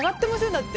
だって。